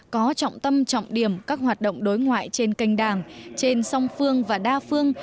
có trọng tâm trọng điểm các hoạt động đối ngoại trên kênh đảng trên song phương và đa phương